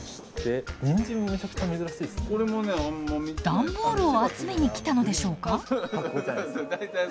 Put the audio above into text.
段ボールを集めに来たのでしょうか？